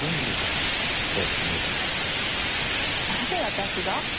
なぜ私が？